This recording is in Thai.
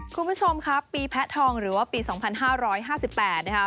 คุณผู้ชมครับปีแพะทองหรือว่าปีสองพันห้าร้อยห้าสิบแปดนะฮะ